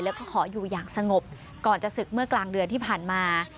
แล้วก็ขออยู่อย่างสงบก่อนจะศึกเมื่อกลางเดือนที่ผ่านมา